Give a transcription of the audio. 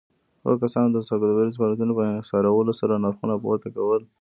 هغو کسانو د سوداګريزو فعاليتونو په انحصارولو سره نرخونه پورته کول.